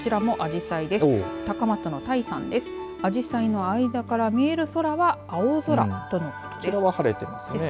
あじさいの間から見える空は青空とのことです。